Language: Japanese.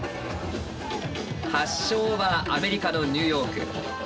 発祥はアメリカのニューヨーク。